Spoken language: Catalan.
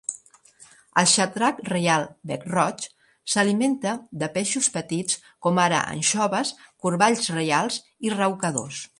El xatrac reial bec-roig s'alimenta de peixos petits com ara anxoves, corballs reials i raucadors.